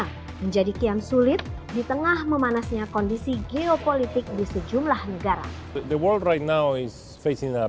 indonesia menjadi kian sulit di tengah memanasnya kondisi geopolitik di sejumlah negara